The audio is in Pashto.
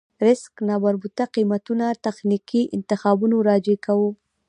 ريسک نامربوطه قېمتونه تخنيکي انتخابونو راجع کوو.